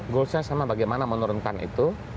goal saya sama bagaimana menurunkan itu